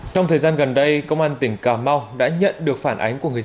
trong thời gian gần đây công an tỉnh cà mau đã nhận được phản ánh của người dân